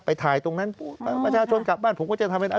ไปถ่ายตรงนั้นประชาชนกลับบ้านผมก็จะทำอย่างนั้น